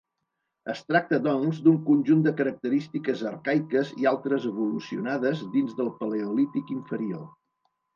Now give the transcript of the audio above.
Es tracta, doncs, d'un conjunt de característiques arcaiques i altres evolucionades dins del paleolític inferior.